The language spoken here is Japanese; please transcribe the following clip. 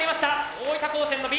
大分高専のＢ。